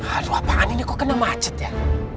aduh lapangan ini kok kena macet ya